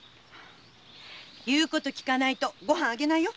言うこときかないと御飯あげないよ。